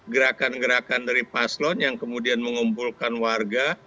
gerakan gerakan dari paslon yang kemudian mengumpulkan warga